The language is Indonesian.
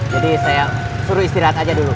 jadi saya suruh istirahat aja dulu